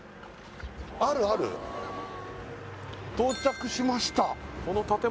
あるある到着しました